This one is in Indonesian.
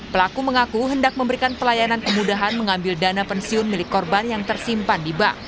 pelaku mengaku hendak memberikan pelayanan kemudahan mengambil dana pensiun milik korban yang tersimpan di bank